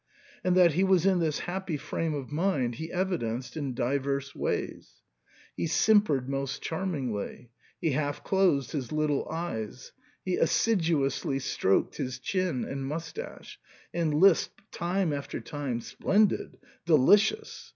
And that he was in this happy frame of mind he evidenced in divers way ; he simpered most charmingly ; he half closed his little eyes ; he as siduously stroked his chin and moustache ; and lisped time after time, "Splendid! delicious!